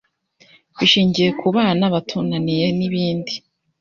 bishingiye ku bana batunaniye n’ibindi,